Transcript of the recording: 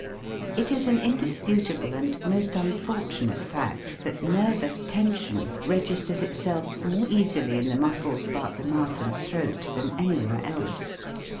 { It is an indisputable and most unfortunate fact that nervous tension registers itself more easily in the muscles about the mouth and throat than anywhere else.